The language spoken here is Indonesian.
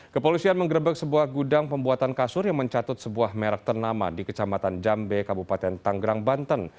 kepolisian menggerebek sebuah gudang pembuatan kasur yang mencatut sebuah merek ternama di kecamatan jambe kabupaten tanggerang banten